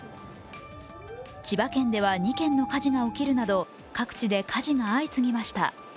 千葉県では２件の火事が起きるなど各地で火事が相次ぎました。